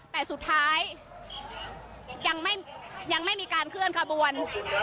แต่สุดท้ายยังไม่ยังไม่มีการเคลื่อนกระบวน